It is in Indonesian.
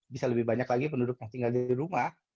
bisa lebih banyak lagi penduduk yang tinggal di rumah